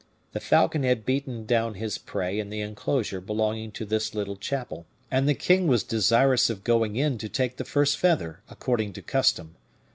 The falcon had beaten down his prey in the inclosure belonging to this little chapel, and the king was desirous of going in to take the first feather, according to custom.